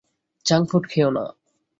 Junk food খেয়ো না।